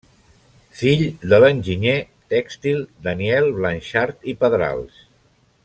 Fill de l'enginyer tèxtil Daniel Blanxart i Pedrals.